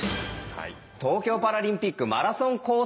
東京パラリンピックマラソンコース